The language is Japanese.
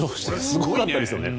すごかったですよね。